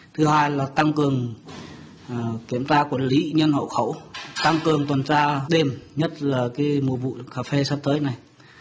thứ hai là tăng cường kiểm tra quản lý nhân hậu khẩu tăng cường tuần tra đêm nhất là mùa vụ cà phê sắp tới này